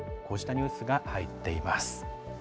こうしたニュースが入っています。